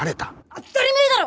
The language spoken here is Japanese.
当たり前だろ！